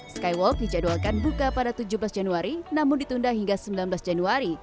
skywalk dijadwalkan buka pada tujuh belas januari namun ditunda hingga sembilan belas januari